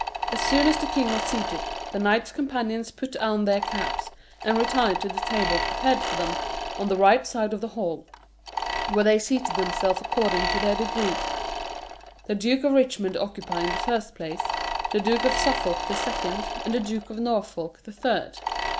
As soon as the king was seated, the knights companions put on their caps, and retired to the table prepared for them on the right side of the hall, where they seated themselves according to their degree the Duke of Richmond occupying the first place, the Duke of Suffolk the second, and the Duke of Norfolk the third.